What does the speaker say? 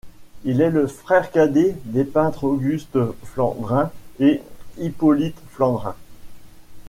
Il est le frère cadet des peintres Auguste Flandrin et Hippolyte Flandrin.